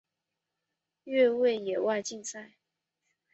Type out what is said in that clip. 趣味野外竞赛。